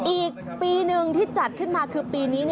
อีกปีหนึ่งที่จัดขึ้นมาคือปีนี้